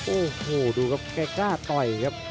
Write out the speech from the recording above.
โอ้โหดูครับแกกล้าต่อยครับ